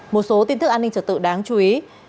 một số tin tức an ninh trật tự đáng chú ý